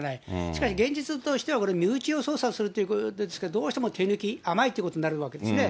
しかし現実としてはこれ、身内を捜査するっていうことですから、どうしても手抜き、甘いということになるわけですね。